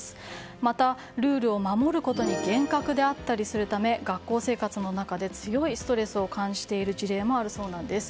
また、ルールを守ることに厳格であったりするため学校生活の中で強いストレスを感じている一例もあるそうなんです。